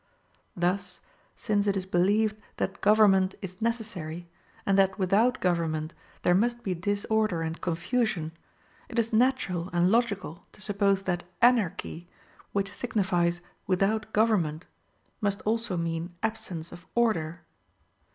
Thus, since it is believed that government is necessary, and that without government there must be disorder and confusion, it is natural and logical to suppose that Anarchy, which signifies without government, must also mean absence of order.